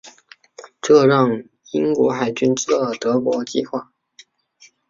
这让英国海军知道了德国的计划。